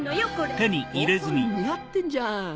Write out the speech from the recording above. オホッ似合ってんじゃん。